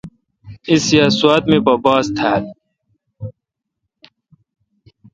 ایس یا سوات می باس تھال۔